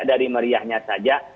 dari meriahnya saja